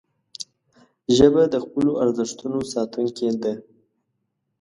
ژبه د خپلو ارزښتونو ساتونکې ده